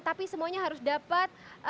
tapi semuanya harus dapat